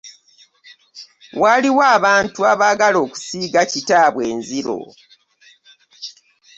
Waliwo abantu abaagala okusiga kitaabwe enziro.